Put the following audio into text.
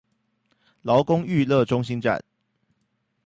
勞工育樂中心站